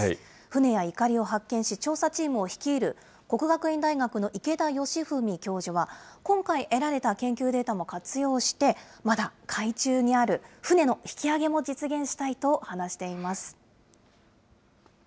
船やいかりを発見し、調査チームを率いる國學院大學の池田榮史教授は、今回得られた研究データも活用して、まだ海中にある船の引き揚げも実現したいと話しています。